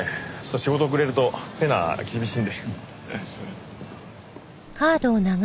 仕事遅れるとペナ厳しいんで。